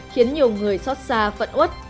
khiến nhiều người xót xa phận út